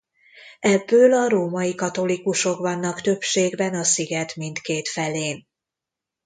Ebből a római katolikusok vannak többségben a sziget mindkét felén.